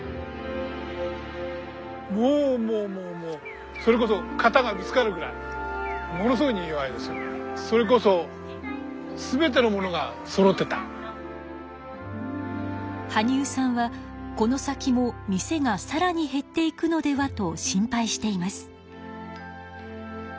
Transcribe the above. もうもうもうもうそれこそそれこそ羽生さんはこの先も店がさらに減っていくのではと心配しています。